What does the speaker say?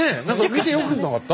見てよくなかった？